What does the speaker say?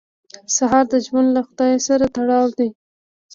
سهار د ژوند له خدای سره تړاو دی.